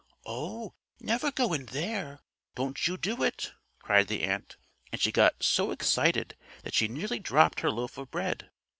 "Oh, never go in there don't you do it!" cried the ant, and she got so excited that she nearly dropped her loaf of bread.